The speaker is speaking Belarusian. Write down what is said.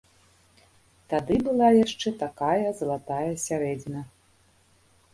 Тады была яшчэ такая залатая сярэдзіна.